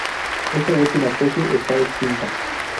Esta última especie está extinta.